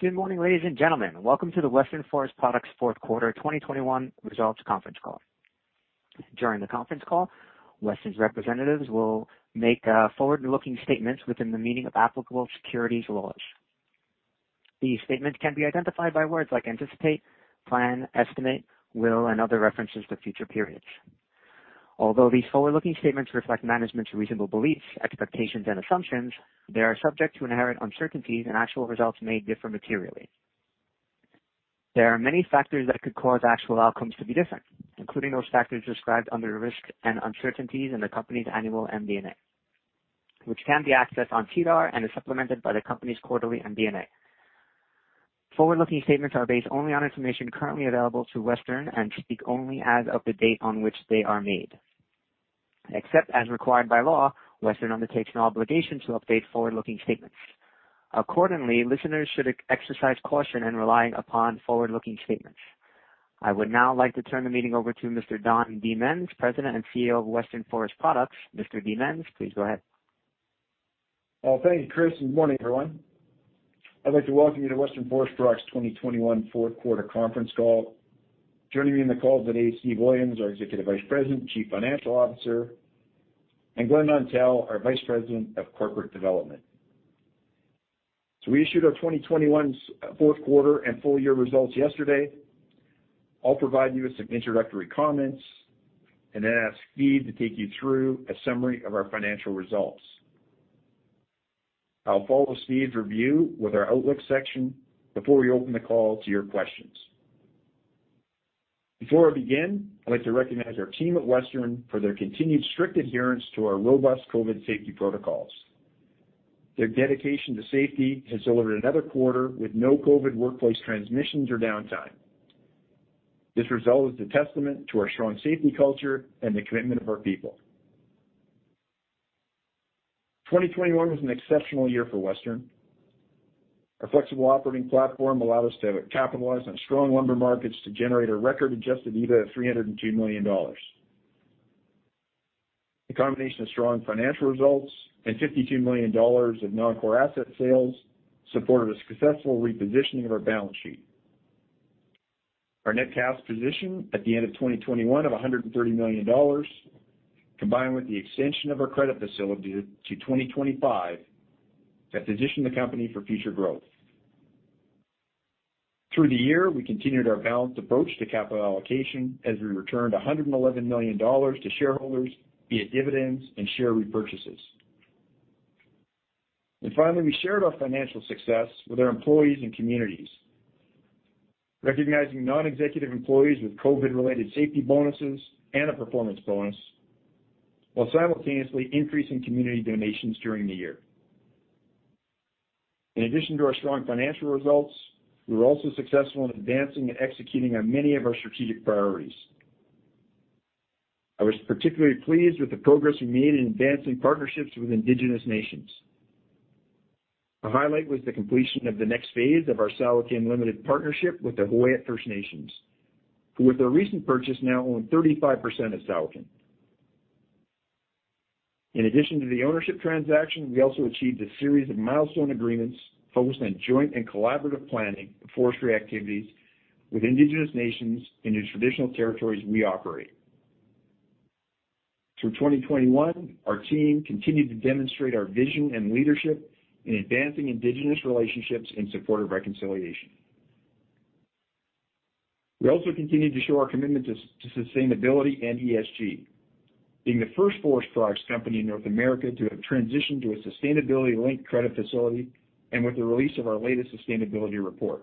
Good morning, ladies and gentlemen. Welcome to the Western Forest Products fourth quarter 2021 results conference call. During the conference call, Western's representatives will make forward-looking statements within the meaning of applicable securities laws. These statements can be identified by words like anticipate, plan, estimate, will, and other references to future periods. Although these forward-looking statements reflect management's reasonable beliefs, expectations, and assumptions, they are subject to inherent uncertainties, and actual results may differ materially. There are many factors that could cause actual outcomes to be different, including those factors described under the risks and uncertainties in the company's annual MD&A, which can be accessed on SEDAR and is supplemented by the company's quarterly MD&A. Forward-looking statements are based only on information currently available to Western and speak only as of the date on which they are made. Except as required by law, Western undertakes no obligation to update forward-looking statements. Accordingly, listeners should exercise caution in relying upon forward-looking statements. I would now like to turn the meeting over to Mr. Don Demens, President and CEO of Western Forest Products. Mr. Demens, please go ahead. Well, thank you, Chris. Good morning, everyone. I'd like to welcome you to Western Forest Products' 2021 fourth quarter conference call. Joining me on the call today is Steve Williams, our Executive Vice President and Chief Financial Officer, and Glen Nontell, our Vice President of Corporate Development. We issued our 2021 fourth quarter and full year results yesterday. I'll provide you with some introductory comments and then ask Steve to take you through a summary of our financial results. I'll follow Steve's review with our outlook section before we open the call to your questions. Before I begin, I'd like to recognize our team at Western for their continued strict adherence to our robust COVID safety protocols. Their dedication to safety has delivered another quarter with no COVID workplace transmissions or downtime. This result is a testament to our strong safety culture and the commitment of our people. 2021 was an exceptional year for Western. Our flexible operating platform allowed us to capitalize on strong lumber markets to generate a record adjusted EBITDA of 302 million dollars. The combination of strong financial results and 52 million dollars of non-core asset sales supported a successful repositioning of our balance sheet. Our net cash position at the end of 2021 of 130 million dollars, combined with the extension of our credit facility to 2025, has positioned the company for future growth. Through the year, we continued our balanced approach to capital allocation as we returned 111 million dollars to shareholders via dividends and share repurchases. Finally, we shared our financial success with our employees and communities, recognizing non-executive employees with COVID-related safety bonuses and a performance bonus, while simultaneously increasing community donations during the year. In addition to our strong financial results, we were also successful in advancing and executing on many of our strategic priorities. I was particularly pleased with the progress we made in advancing partnerships with Indigenous nations. The highlight was the completion of the next phase of our C'awak ?qin Limited Partnership with the Huu-ay-aht First Nations, who with their recent purchase now own 35% of C'awak ?qin. In addition to the ownership transaction, we also achieved a series of milestone agreements focused on joint and collaborative planning of forestry activities with Indigenous nations in the traditional territories we operate. Through 2021, our team continued to demonstrate our vision and leadership in advancing Indigenous relationships in support of reconciliation. We also continued to show our commitment to sustainability and ESG, being the first forest products company in North America to have transitioned to a sustainability-linked credit facility and with the release of our latest sustainability report.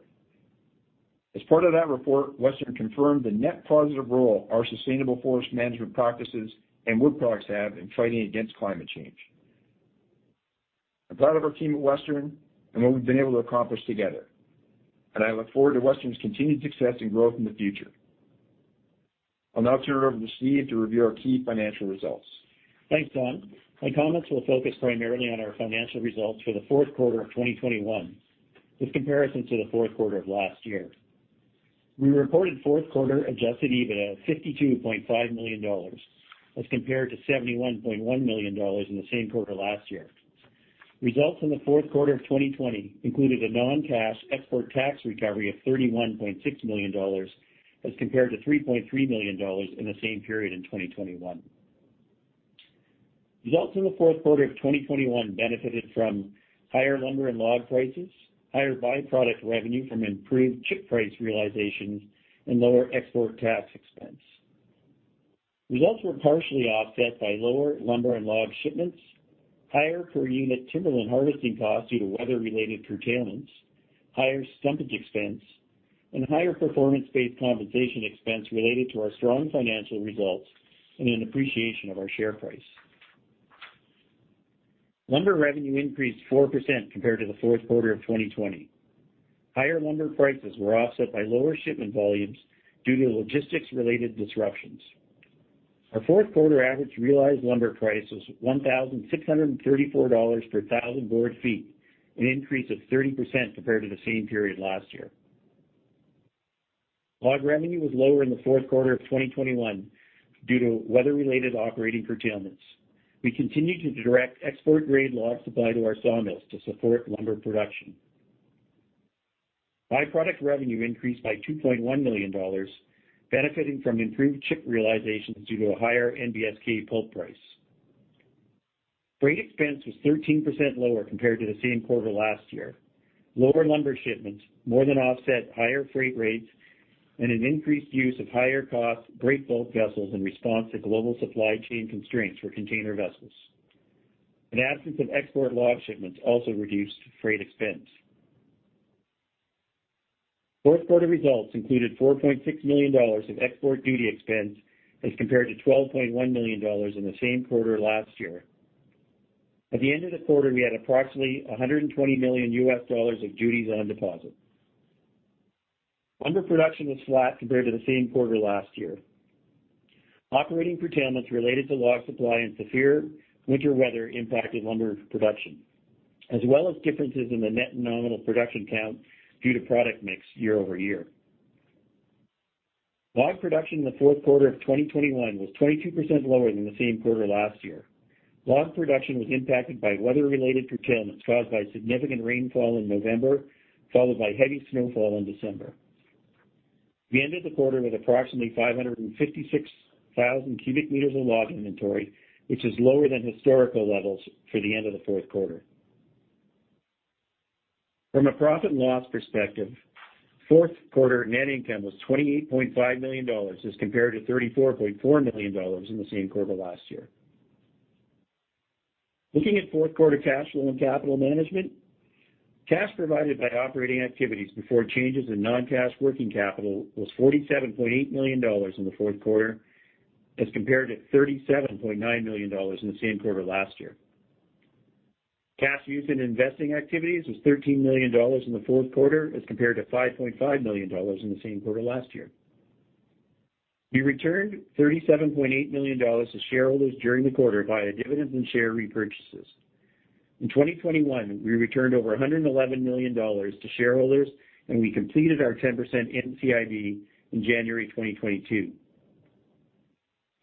As part of that report, Western confirmed the net positive role our sustainable forest management practices and wood products have in fighting against climate change. I'm proud of our team at Western and what we've been able to accomplish together, and I look forward to Western's continued success and growth in the future. I'll now turn it over to Steve to review our key financial results. Thanks, Don. My comments will focus primarily on our financial results for the fourth quarter of 2021 with comparison to the fourth quarter of last year. We reported fourth quarter adjusted EBITDA of 52.5 million dollars as compared to 71.1 million dollars in the same quarter last year. Results in the fourth quarter of 2020 included a non-cash export tax recovery of 31.6 million dollars as compared to 3.3 million dollars in the same period in 2021. Results in the fourth quarter of 2021 benefited from higher lumber and log prices, higher by-product revenue from improved chip price realizations, and lower export tax expense. Results were partially offset by lower lumber and log shipments, higher per unit timber and harvesting costs due to weather-related curtailments, higher stumpage expense, and higher performance-based compensation expense related to our strong financial results and an appreciation of our share price. Lumber revenue increased 4% compared to the fourth quarter of 2020. Higher lumber prices were offset by lower shipment volumes due to logistics-related disruptions. Our fourth quarter average realized lumber price was 1,634 dollars per thousand board feet, an increase of 30% compared to the same period last year. Log revenue was lower in the fourth quarter of 2021 due to weather-related operating curtailments. We continued to direct export-grade log supply to our sawmills to support lumber production. By-product revenue increased by 2.1 million dollars, benefiting from improved chip realizations due to a higher NBSK pulp price. Freight expense was 13% lower compared to the same quarter last year. Lower lumber shipments more than offset higher freight rates and an increased use of higher-cost breakbulk vessels in response to global supply chain constraints for container vessels. An absence of export log shipments also reduced freight expense. Fourth quarter results included 4.6 million dollars of export duty expense as compared to 12.1 million dollars in the same quarter last year. At the end of the quarter, we had approximately $120 million of duties on deposit. Lumber production was flat compared to the same quarter last year. Operating curtailments related to log supply and severe winter weather impacted lumber production, as well as differences in the net nominal production count due to product mix year-over-year. Log production in the fourth quarter of 2021 was 22% lower than the same quarter last year. Log production was impacted by weather-related curtailments caused by significant rainfall in November, followed by heavy snowfall in December. We ended the quarter with approximately 556,000 cu m of log inventory, which is lower than historical levels for the end of the fourth quarter. From a profit and loss perspective, fourth quarter net income was 28.5 million dollars as compared to 34.4 million dollars in the same quarter last year. Looking at fourth quarter cash flow and capital management, cash provided by operating activities before changes in non-cash working capital was 47.8 million dollars in the fourth quarter as compared to 37.9 million dollars in the same quarter last year. Cash used in investing activities was 13 million dollars in the fourth quarter as compared to 5.5 million dollars in the same quarter last year. We returned 37.8 million dollars to shareholders during the quarter via dividends and share repurchases. In 2021, we returned over 111 million dollars to shareholders, and we completed our 10% NCIB in January 2022.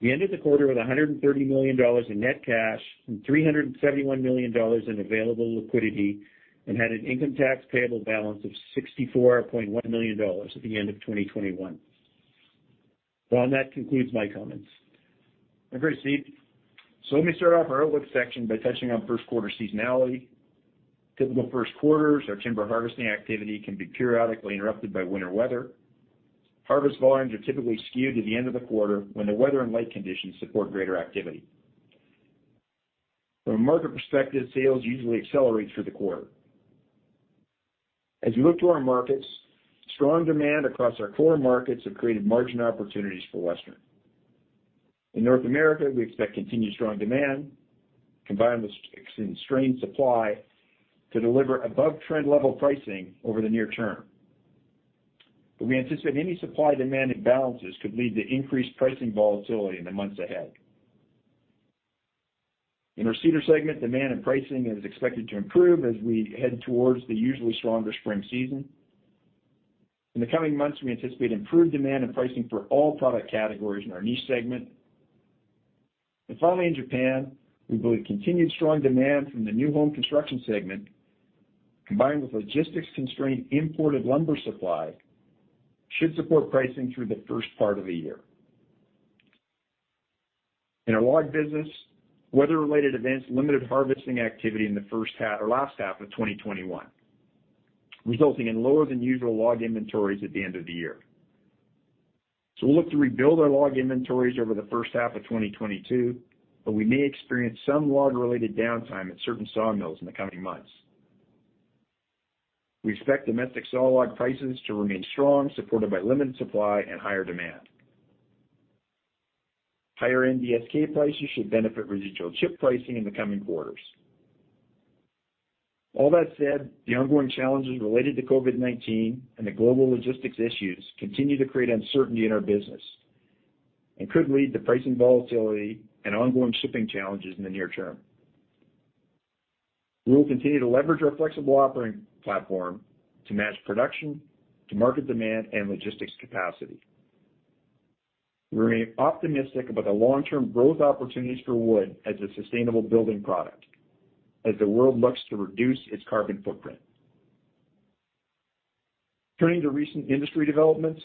We ended the quarter with 130 million dollars in net cash and 371 million dollars in available liquidity and had an income tax payable balance of 64.1 million dollars at the end of 2021. Don, that concludes my comments. Thank you, Steve. Let me start off our outlook section by touching on first quarter seasonality. Typical first quarters, our timber harvesting activity can be periodically interrupted by winter weather. Harvest volumes are typically skewed to the end of the quarter when the weather and light conditions support greater activity. From a market perspective, sales usually accelerate through the quarter. As we look to our markets, strong demand across our core markets have created margin opportunities for Western. In North America, we expect continued strong demand combined with constrained supply to deliver above-trend level pricing over the near term. We anticipate any supply-demand imbalances could lead to increased pricing volatility in the months ahead. In our cedar segment, demand and pricing is expected to improve as we head towards the usually stronger spring season. In the coming months, we anticipate improved demand and pricing for all product categories in our niche segment. Finally, in Japan, we believe continued strong demand from the new home construction segment, combined with logistics-constrained imported lumber supply, should support pricing through the first part of the year. In our log business, weather-related events limited harvesting activity in the first half or last half of 2021, resulting in lower than usual log inventories at the end of the year. We'll look to rebuild our log inventories over the first half of 2022, but we may experience some log-related downtime at certain sawmills in the coming months. We expect domestic sawlog prices to remain strong, supported by limited supply and higher demand. Higher NBSK prices should benefit residual chip pricing in the coming quarters. All that said, the ongoing challenges related to COVID-19 and the global logistics issues continue to create uncertainty in our business and could lead to pricing volatility and ongoing shipping challenges in the near term. We will continue to leverage our flexible operating platform to match production to market demand and logistics capacity. We remain optimistic about the long-term growth opportunities for wood as a sustainable building product as the world looks to reduce its carbon footprint. Turning to recent industry developments,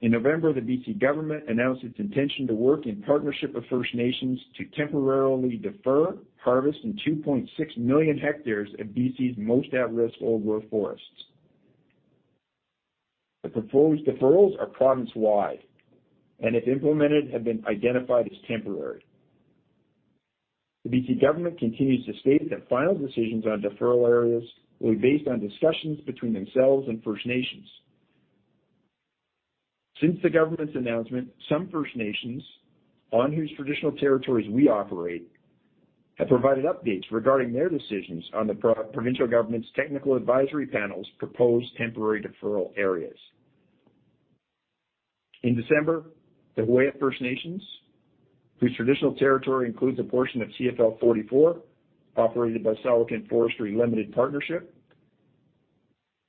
in November, the BC government announced its intention to work in partnership with First Nations to temporarily defer harvesting 2.6 million hectares of BC's most at-risk old-growth forests. The proposed deferrals are province-wide, and if implemented, have been identified as temporary. The BC government continues to state that final decisions on deferral areas will be based on discussions between themselves and First Nations. Since the government's announcement, some First Nations on whose traditional territories we operate have provided updates regarding their decisions on the provincial government's Technical Advisory Panel's proposed temporary deferral areas. In December, the Huu-ay-aht First Nations whose traditional territory includes a portion of TFL 44 operated by C'awak ?qin Forestry Limited Partnership,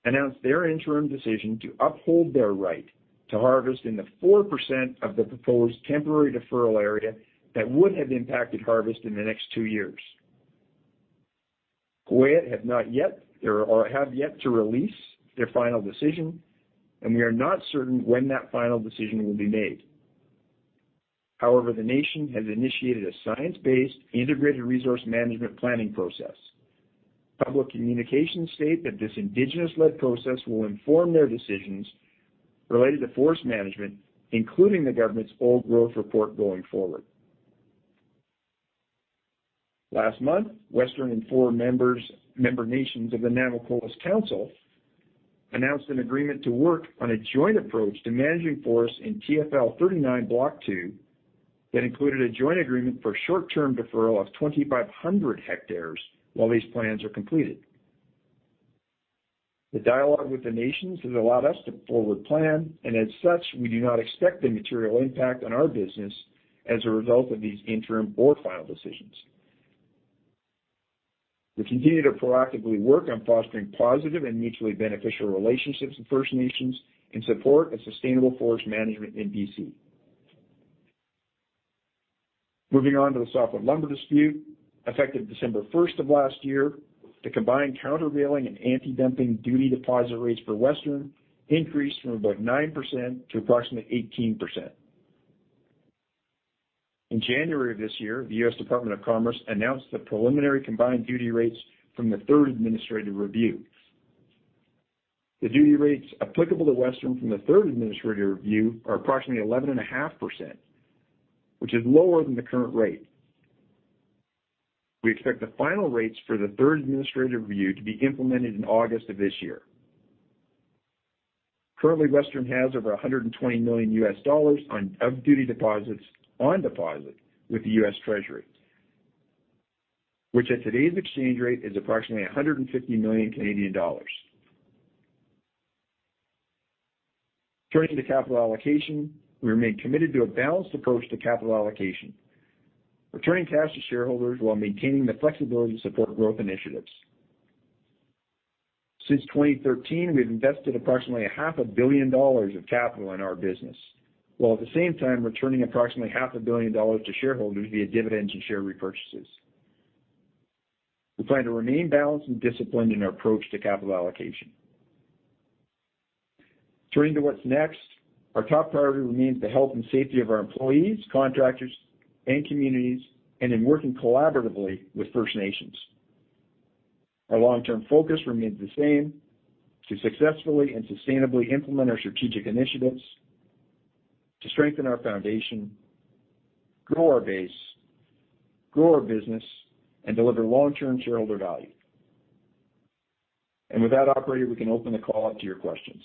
announced their interim decision to uphold their right to harvest in the 4% of the proposed temporary deferral area that would have impacted harvest in the next two years. Huu-ay-aht have yet to release their final decision, and we are not certain when that final decision will be made. However, the nation has initiated a science-based integrated resource management planning process. Public communications state that this indigenous-led process will inform their decisions related to forest management, including the government's old growth report going forward. Last month, Western and four member nations of the Nanwakolas Council announced an agreement to work on a joint approach to managing forests in TFL 39 Block 2 that included a joint agreement for short-term deferral of 2,500 hectares while these plans are completed. The dialogue with the nations has allowed us to forward plan, and as such, we do not expect a material impact on our business as a result of these interim or final decisions. We continue to proactively work on fostering positive and mutually beneficial relationships with First Nations in support of sustainable forest management in BC. Moving on to the softwood lumber dispute. Effective December 1st of last year, the combined countervailing and anti-dumping duty deposit rates for Western increased from about 9% to approximately 18%. In January of this year, the U.S. Department of Commerce announced the preliminary combined duty rates from the third administrative review. The duty rates applicable to Western from the third administrative review are approximately 11.5%, which is lower than the current rate. We expect the final rates for the third administrative review to be implemented in August of this year. Currently, Western has over $120 million of duty deposits on deposit with the U.S. Treasury, which at today's exchange rate is approximately 150 million Canadian dollars. Turning to capital allocation. We remain committed to a balanced approach to capital allocation, returning cash to shareholders while maintaining the flexibility to support growth initiatives. Since 2013, we've invested approximately 500 million dollars of capital in our business, while at the same time returning approximately 500 million dollars to shareholders via dividends and share repurchases. We plan to remain balanced and disciplined in our approach to capital allocation. Turning to what's next. Our top priority remains the health and safety of our employees, contractors, and communities, and in working collaboratively with First Nations. Our long-term focus remains the same: to successfully and sustainably implement our strategic initiatives, to strengthen our foundation, grow our base, grow our business, and deliver long-term shareholder value. With that, operator, we can open the call up to your questions.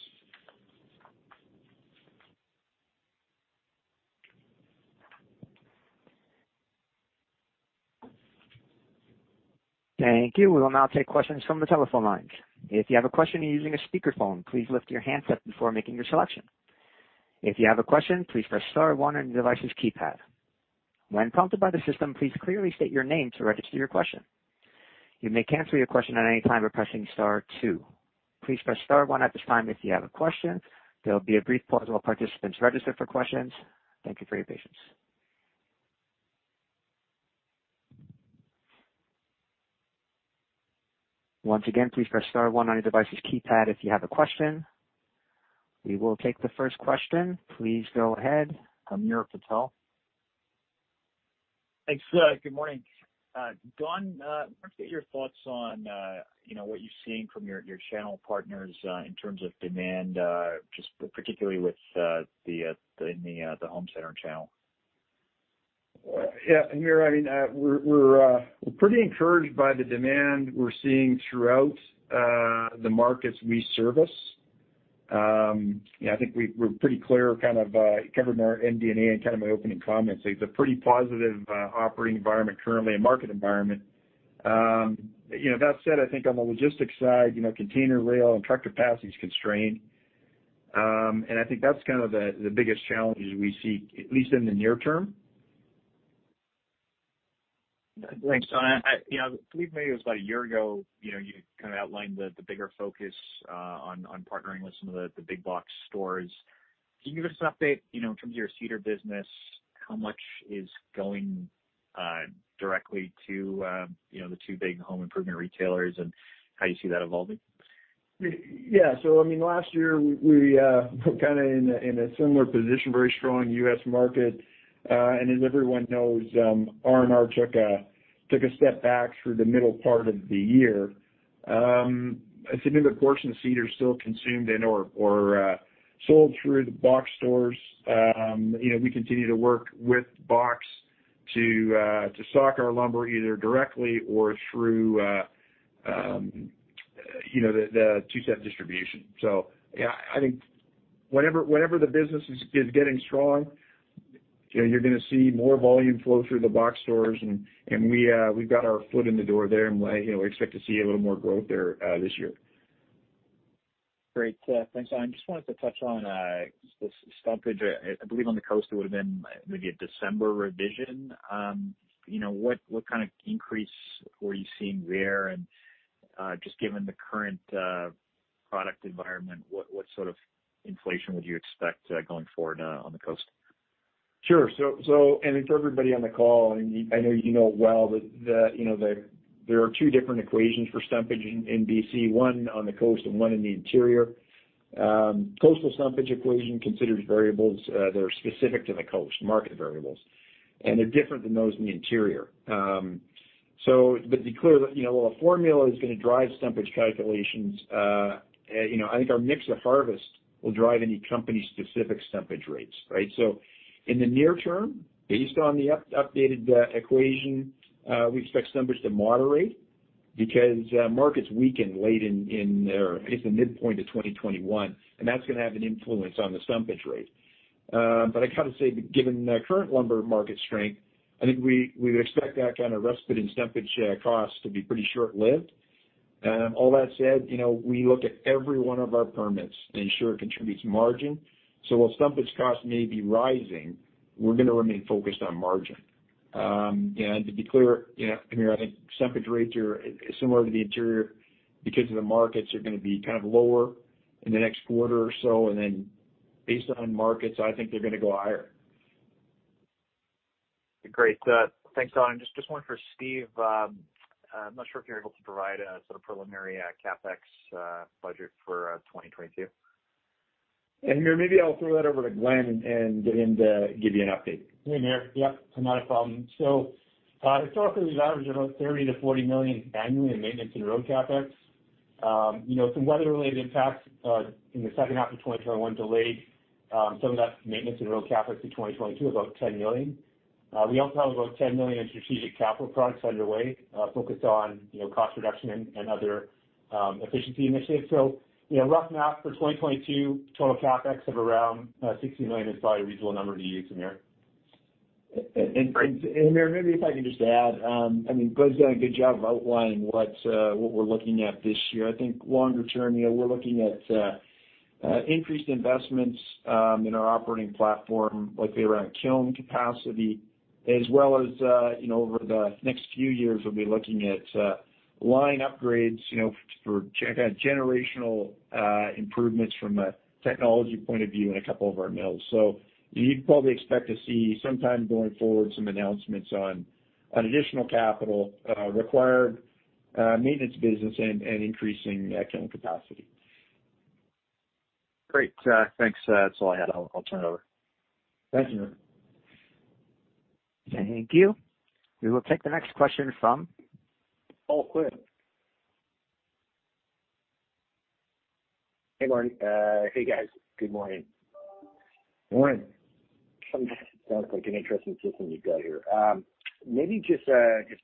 Thank you. We will now take questions from the telephone lines. If you have a question using a speakerphone, please lift your handset before making your selection. If you have a question, please press star one on your device's keypad. When prompted by the system, please clearly state your name to register your question. You may cancel your question at any time by pressing star two. Please press star one at this time if you have a question. There will be a brief pause while participants register for questions. Thank you for your patience. Once again, please press star one on your device's keypad if you have a question. We will take the first question. Please go ahead, Hamir Patel. Thanks. Good morning, Don. I want to get your thoughts on, you know, what you're seeing from your channel partners in terms of demand, just particularly with the home center channel. Yeah, Hamir, I mean, we're pretty encouraged by the demand we're seeing throughout the markets we service. Yeah, I think we're pretty clear kind of covering our MD&A and kind of my opening comments. It's a pretty positive operating environment currently and market environment. You know, that said, I think on the logistics side, you know, container rail and truck capacity is constrained. I think that's kind of the biggest challenges we see, at least in the near term. Thanks, Don. You know, I believe maybe it was about a year ago, you know, you kind of outlined the bigger focus on partnering with some of the big box stores. Can you give us an update, you know, in terms of your cedar business, how much is going directly to you know, the two big home improvement retailers and how you see that evolving? I mean, last year we were kind of in a similar position, very strong U.S. market. As everyone knows, R&R took a step back through the middle part of the year. A significant portion of cedar is still consumed in or sold through the box stores. You know, we continue to work with box to stock our lumber either directly or through the two-step distribution. I think whenever the business is getting strong, you know, you're gonna see more volume flow through the box stores, and we've got our foot in the door there and we expect to see a little more growth there this year. Great. Thanks, Don. Just wanted to touch on this stumpage. I believe on the coast it would have been maybe a December revision. You know, what kind of increase were you seeing there? Just given the current product environment, what sort of inflation would you expect going forward on the coast? Sure. For everybody on the call, I know you know it well, but you know, there are two different equations for stumpage in BC, one on the coast and one in the interior. Coastal stumpage equation considers variables that are specific to the coast, market variables. They're different than those in the interior. But to be clear, you know, while a formula is gonna drive stumpage calculations, you know, I think our mix of harvest will drive any company-specific stumpage rates, right? In the near term, based on the updated equation, we expect stumpage to moderate because markets weaken late in or at least the midpoint of 2021, and that's gonna have an influence on the stumpage rate. I kind of say, given the current lumber market strength, I think we'd expect that kind of respite in stumpage costs to be pretty short-lived. All that said, you know, we look at every one of our permits to ensure it contributes margin. While stumpage costs may be rising, we're gonna remain focused on margin. To be clear, you know, Hamir, I think stumpage rates are similar to the interior because the markets are gonna be kind of lower in the next quarter or so, and then based on markets, I think they're gonna go higher. Great. Thanks, Don. Just one for Steve. I'm not sure if you're able to provide a sort of preliminary CapEx budget for 2022. Hamir, maybe I'll throw that over to Glen and get him to give you an update. Hey, Hamir. Yep, not a problem. Historically, we've averaged about 30 million-40 million annually in maintenance and road CapEx. You know, some weather-related impacts in the second half of 2021 delayed some of that maintenance and road CapEx to 2022, about 10 million. We also have about 10 million in strategic capital projects underway, focused on, you know, cost reduction and other efficiency initiatives. Rough math for 2022, total CapEx of around 60 million is probably a reasonable number to use, Hamir. Hamir, maybe if I can just add, I mean, Glen's done a good job of outlining what we're looking at this year. I think longer term, you know, we're looking at increased investments in our operating platform, like around kiln capacity, as well as, you know, over the next few years, we'll be looking at line upgrades, you know, for generational improvements from a technology point of view in a couple of our mills. You'd probably expect to see some time going forward some announcements on additional capital required maintenance business and increasing kiln capacity. Great. Thanks. That's all I had. I'll turn it over. Thanks, Hamir. Thank you. We will take the next question from Paul Quinn. Hey, morning. Hey, guys. Good morning. Morning. Sounds like an interesting system you've got here. Maybe just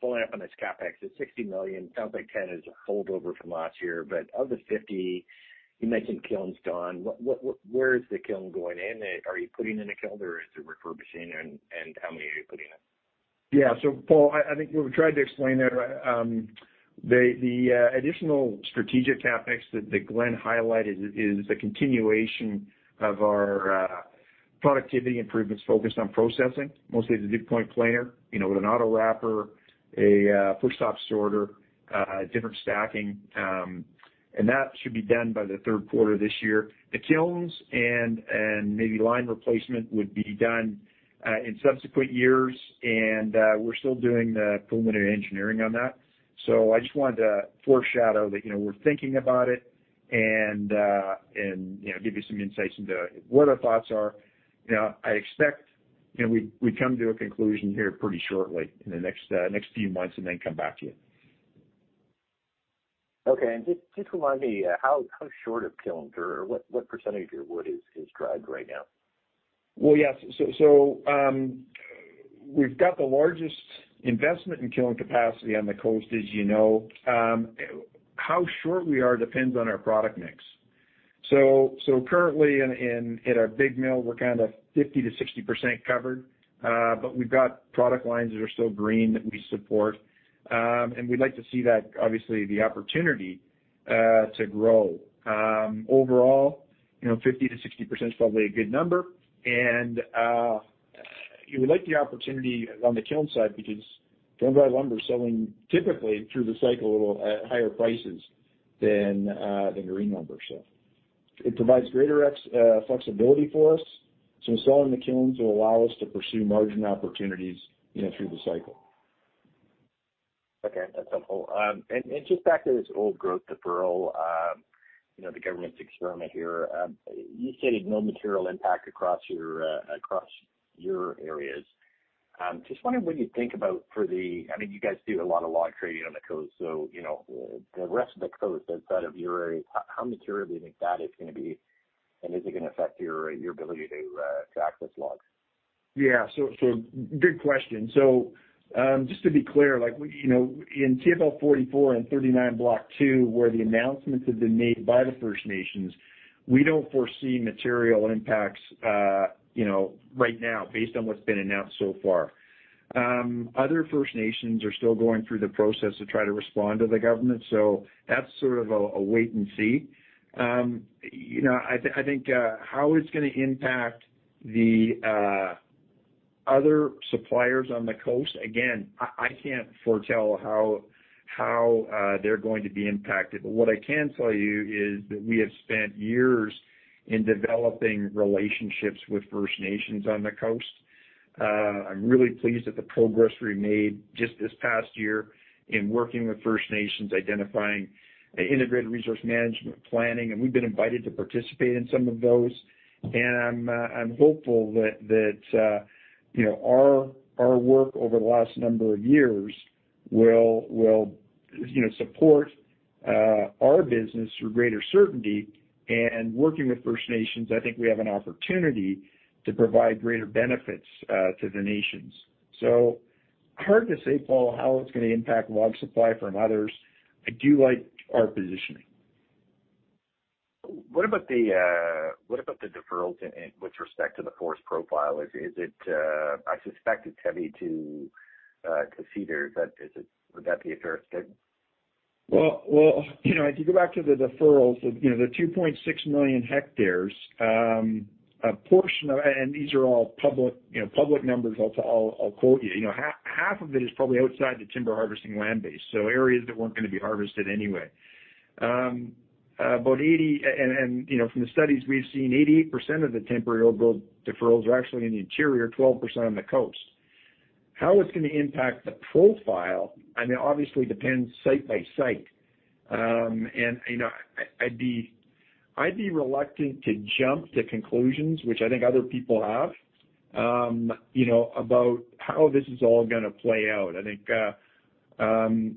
following up on this CapEx. It's 60 million. Sounds like 10 million is a holdover from last year. Of the 50 million, you mentioned kilns, Don. What, where is the kiln going in? Are you putting in a kiln, or is it refurbishing, and how many are you putting in? Paul, I think we've tried to explain that. The additional strategic CapEx that Glen highlighted is a continuation of our productivity improvements focused on processing, mostly at the Duke Point planer, you know, with an auto wrapper, a first-off sorter, different stacking. That should be done by the third quarter this year. The kilns and maybe line replacement would be done in subsequent years, and we're still doing the preliminary engineering on that. I just wanted to foreshadow that, you know, we're thinking about it and, you know, give you some insights into what our thoughts are. You know, I expect, you know, we come to a conclusion here pretty shortly in the next few months and then come back to you. Okay. Just remind me, what percentage of your wood is dried right now? Yes. We've got the largest investment in kiln capacity on the coast, as you know. How short we are depends on our product mix. Currently in our big mill, we're kind of 50%-60% covered, but we've got product lines that are still green that we support. We'd like to see that, obviously the opportunity to grow. Overall, you know, 50%-60% is probably a good number. We would like the opportunity on the kiln side because kiln-dried lumber is selling typically through the cycle at higher prices than green lumber. It provides greater flexibility for us. Selling the kilns will allow us to pursue margin opportunities, you know, through the cycle. Okay. That's helpful. And just back to this old growth deferral, you know, the government's experiment here. You stated no material impact across your areas. Just wondering what you think about. I mean, you guys do a lot of log trading on the coast, so, you know, the rest of the coast outside of your area, how material do you think that is gonna be, and is it gonna affect your ability to access logs? Good question. Just to be clear, we in TFL 44 and 39, Block 2, where the announcements have been made by the First Nations, we don't foresee material impacts right now based on what's been announced so far. Other First Nations are still going through the process to try to respond to the government, so that's a wait and see. I think how it's gonna impact the other suppliers on the coast, again, I can't foretell how they're going to be impacted. What I can tell you is that we have spent years in developing relationships with First Nations on the coast. I'm really pleased with the progress we made just this past year in working with First Nations, identifying integrated resource management planning, and we've been invited to participate in some of those. I'm hopeful that, you know, our work over the last number of years will, you know, support our business through greater certainty. Working with First Nations, I think we have an opportunity to provide greater benefits to the nations. Hard to say, Paul, how it's gonna impact log supply from others. I do like our positioning. What about the deferrals with respect to the forest profile? I suspect it's heavy to cedar. Would that be a fair statement? Well, you know, if you go back to the deferrals, you know, the 2.6 million hectares, these are all public, you know, public numbers I'll quote you. You know, half of it is probably outside the timber harvesting land base, so areas that weren't gonna be harvested anyway. You know, from the studies we've seen, 88% of the temporary old-growth deferrals are actually in the interior, 12% on the coast. How it's gonna impact the profile, I mean, obviously depends site by site. You know, I'd be reluctant to jump to conclusions, which I think other people have, you know, about how this is all gonna play out. I think,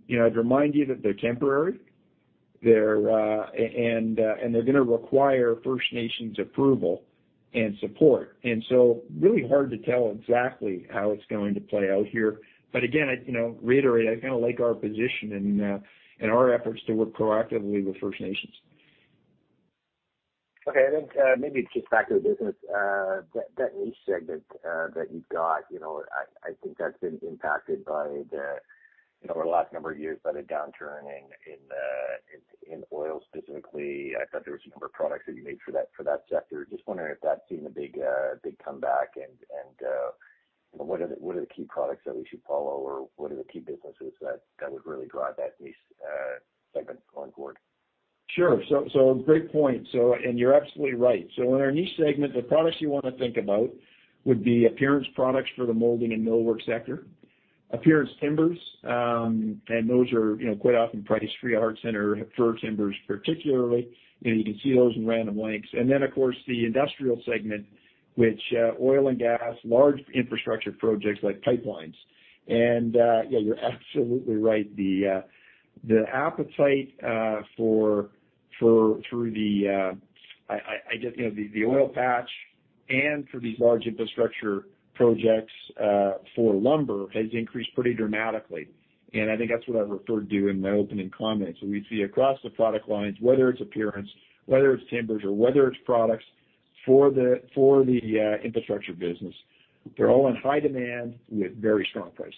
you know, I'd remind you that they're temporary. They're gonna require First Nations approval and support. Really hard to tell exactly how it's going to play out here. Again, I'd, you know, reiterate, I kind of like our position and our efforts to work proactively with First Nations. Okay. I think maybe just back to the business, that niche segment that you've got. You know, I think that's been impacted by the, you know, over the last number of years by the downturn in oil specifically. I thought there was a number of products that you made for that sector. Just wondering if that's seen a big comeback and what are the key products that we should follow? Or what are the key businesses that would really drive that niche segment on board? Sure. Great point. You're absolutely right. In our niche segment, the products you wanna think about would be appearance products for the molding and millwork sector. Appearance timbers, and those are, you know, quite often priced free of heart center, Fir Timbers particularly, and you can see those in random lengths. Then, of course, the industrial segment, which oil and gas, large infrastructure projects like pipelines. Yeah, you're absolutely right. The appetite for lumber has increased pretty dramatically through the oil patch and for these large infrastructure projects. I think that's what I referred to in my opening comments. We see across the product lines, whether it's appearance, whether it's timbers or whether it's products for the infrastructure business. They're all in high demand with very strong pricing.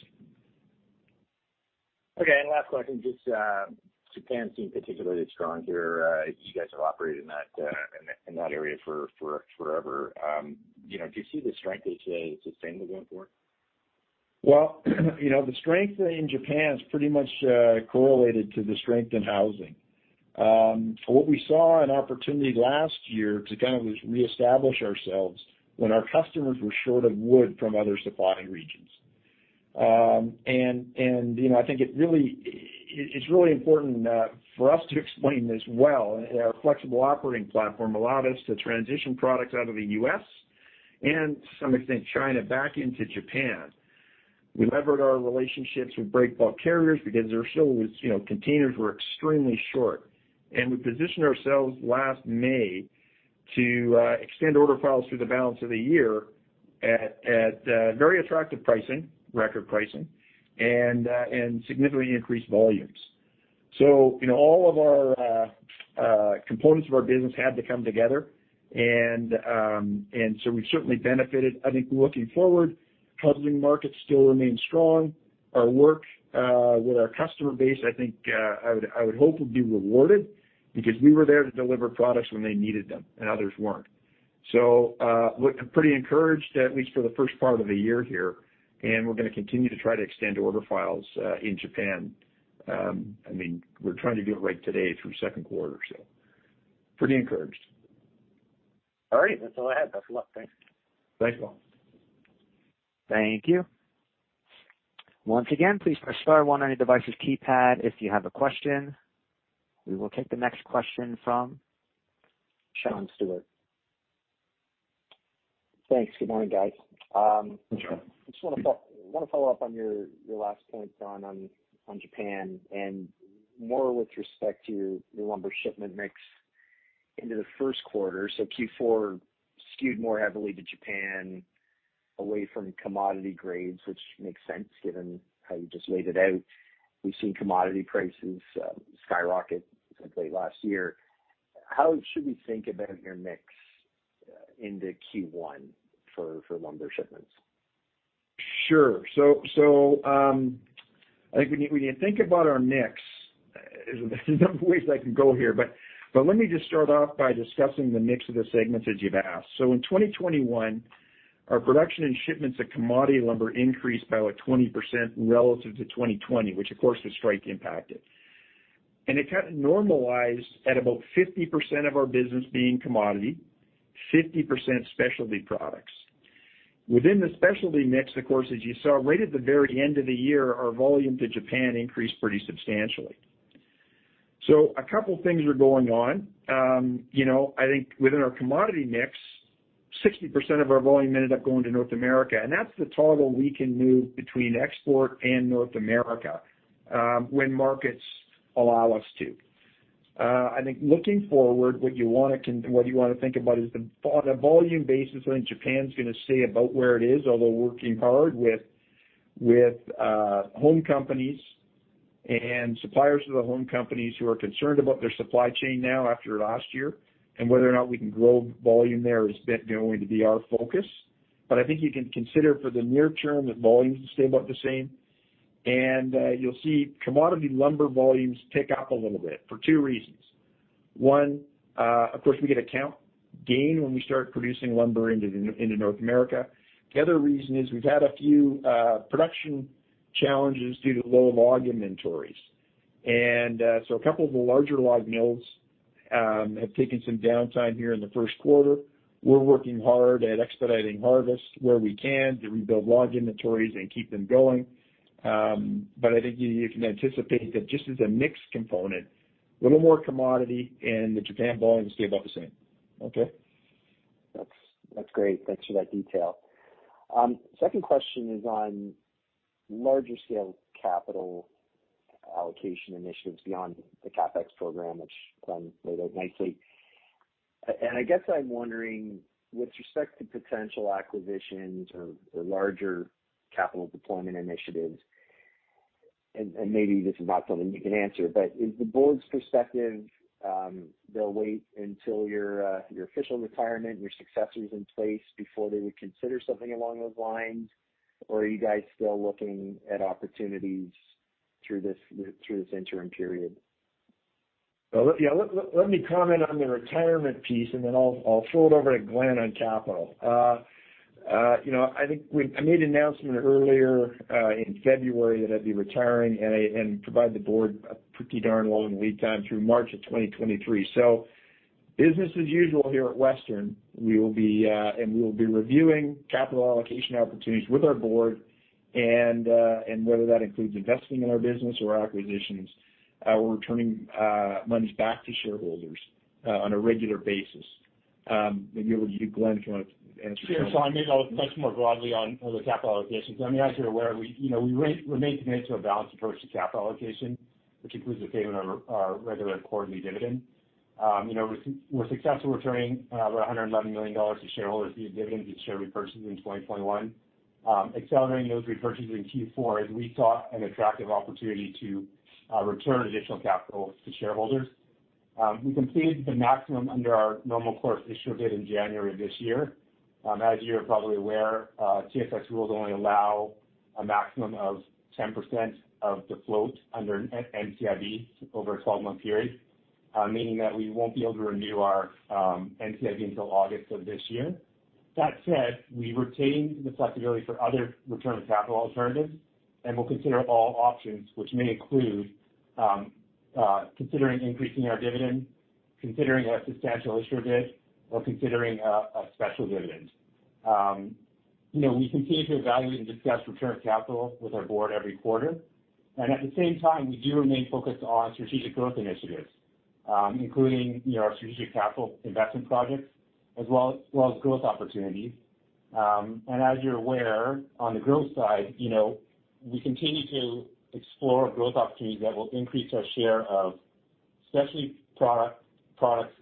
Okay. Last question, just, Japan seemed particularly strong here. You guys have operated in that area for forever. You know, do you see the strength is sustainable going forward? Well, you know, the strength in Japan is pretty much correlated to the strength in housing. What we saw an opportunity last year to kind of reestablish ourselves when our customers were short of wood from other supplying regions. You know, I think it's really important for us to explain this well. Our flexible operating platform allowed us to transition products out of the U.S. and to some extent, China back into Japan. We levered our relationships with breakbulk carriers because there still was, you know, containers were extremely short. We positioned ourselves last May to extend order files through the balance of the year at very attractive pricing, record pricing, and significantly increased volumes. You know, all of our components of our business had to come together. We certainly benefited. I think looking forward, housing markets still remain strong. Our work with our customer base, I think, I would hope would be rewarded because we were there to deliver products when they needed them and others weren't. Look, I'm pretty encouraged, at least for the first part of the year here, and we're gonna continue to try to extend order files in Japan. I mean, we're trying to do it right today through second quarter, so pretty encouraged. All right. That's all I had. Best of luck. Thanks. Thanks, Paul. Thank you. Once again, please press star one on your device's keypad if you have a question. We will take the next question from Sean Steuart. Thanks. Good morning, guys. Sure. I just wanna follow up on your last point, Don, on Japan and more with respect to your lumber shipment mix into the first quarter. Q4 skewed more heavily to Japan away from commodity grades, which makes sense given how you just laid it out. We've seen commodity prices skyrocket since late last year. How should we think about your mix into Q1 for lumber shipments? Sure. I think when you think about our mix, there's a number of ways I can go here, but let me just start off by discussing the mix of the segments as you've asked. In 2021, our production and shipments of commodity lumber increased by like 20% relative to 2020, which of course the strike impacted. It kinda normalized at about 50% of our business being commodity, 50% specialty products. Within the specialty mix, of course, as you saw, right at the very end of the year, our volume to Japan increased pretty substantially. A couple things are going on. You know, I think within our commodity mix, 60% of our volume ended up going to North America, and that's the toggle we can move between export and North America, when markets allow us to. I think looking forward, what you wanna think about is on a volume basis, I think Japan's gonna stay about where it is, although we're working hard with home companies and suppliers of the home companies who are concerned about their supply chain now after last year, and whether or not we can grow volume there is going to be our focus. But I think you can consider for the near term that volumes will stay about the same. You'll see commodity lumber volumes tick up a little bit for two reasons. One, of course, we get a count gain when we start producing lumber into North America. The other reason is we've had a few production challenges due to low log inventories. So a couple of the larger log mills have taken some downtime here in the first quarter. We're working hard at expediting harvest where we can to rebuild log inventories and keep them going. I think you can anticipate that just as a mix component, a little more commodity and the Japan volume stay about the same. Okay. That's great. Thanks for that detail. Second question is on larger scale capital allocation initiatives beyond the CapEx program, which Glen laid out nicely. And I guess I'm wondering with respect to potential acquisitions or larger capital deployment initiatives, and maybe this is not something you can answer, but is the board's perspective, they'll wait until your official retirement, your successor is in place before they would consider something along those lines? Are you guys still looking at opportunities through this interim period? Let me comment on the retirement piece, and then I'll throw it over to Glen on capital. You know, I think I made an announcement earlier in February that I'd be retiring and provide the board a pretty darn long lead time through March of 2023. Business as usual here at Western. We will be reviewing capital allocation opportunities with our board and whether that includes investing in our business or acquisitions, we're returning monies back to shareholders on a regular basis. Maybe I'll give it to Glen, if you wanna answer. Sure. Maybe I'll touch more broadly on the capital allocations. I mean, as you're aware, you know, we remain committed to a balanced approach to capital allocation, which includes the payment of our regular quarterly dividend. You know, we're successfully returning 111 million dollars to shareholders via dividends and share repurchases in 2021, accelerating those repurchases in Q4 as we saw an attractive opportunity to return additional capital to shareholders. We completed the maximum under our normal course issuer bid in January of this year. As you're probably aware, TSX rules only allow a maximum of 10% of the float under an NCIB over a 12-month period, meaning that we won't be able to renew our NCIB until August of this year. That said, we retain the flexibility for other return of capital alternatives, and we'll consider all options which may include considering increasing our dividend, considering a substantial issuer bid or considering a special dividend. You know, we continue to evaluate and discuss return of capital with our board every quarter. At the same time, we do remain focused on strategic growth initiatives, including, you know, our strategic capital investment projects as well as growth opportunities. As you're aware, on the growth side, you know, we continue to explore growth opportunities that will increase our share of specialty products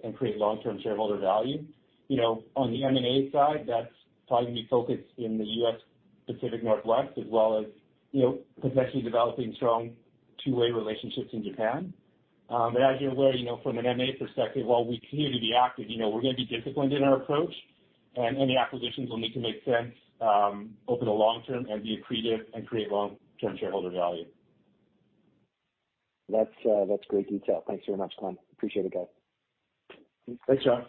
and create long-term shareholder value. You know, on the M&A side, that's probably gonna be focused in the U.S. Pacific Northwest as well as, you know, potentially developing strong two-way relationships in Japan. As you're aware, you know, from an M&A perspective, while we continue to be active, you know, we're gonna be disciplined in our approach and any acquisitions will need to make sense over the long term and be accretive and create long-term shareholder value. That's great detail. Thanks very much, Glen. Appreciate it, guys. Thanks, Sean.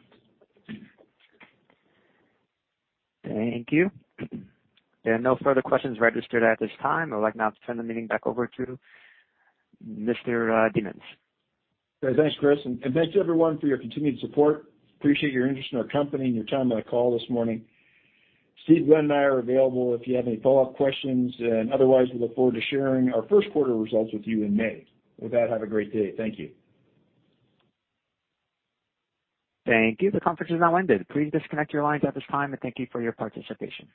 Thank you. There are no further questions registered at this time. I would like now to turn the meeting back over to Mr. Demens. Yeah. Thanks, Chris, and thanks everyone for your continued support. Appreciate your interest in our company and your time on the call this morning. Steve, Glen, and I are available if you have any follow-up questions. Otherwise, we look forward to sharing our first quarter results with you in May. With that, have a great day. Thank you. Thank you. The conference is now ended. Please disconnect your lines at this time and thank you for your participation.